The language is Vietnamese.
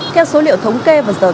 các số liệu thống kê vừa rồi